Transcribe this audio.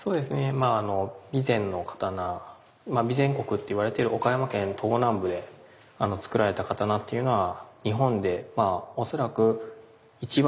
まああの備前の刀まあ備前国っていわれてる岡山県東南部で作られた刀っていうのは日本でまあ恐らく一番